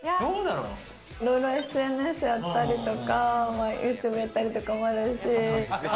いろんなＳＮＳやったりとかＹｏｕＴｕｂｅやったりとかもあるし。